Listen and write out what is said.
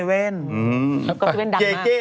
เก่ก้าวเก่่